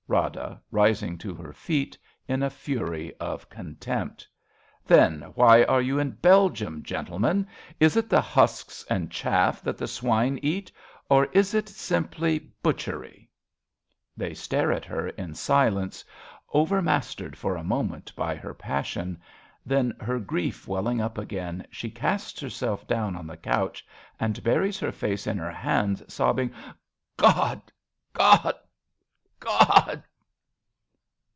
Rada {rising to her feet in a fury of contempt). Then why are you in Belgium, gentlemen ? Is it the husks and chaff that the swine eat. Or is it simply butchery ? {They stare at her in silence, over 22 'i is A BELGIAN CHRISTMAS EVE mastered for a moment by her passion. Then, her grief ivelling up again, she casts herself doion on the couch, and buries her face in her hands, sobbing.) God ! God ! God